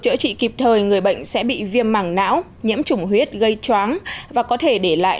chữa trị kịp thời người bệnh sẽ bị viêm mảng não nhiễm chủng huyết gây choáng và có thể để lại